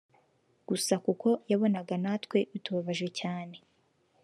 Gusa kuko yabonaga natwe bitubabaje cyane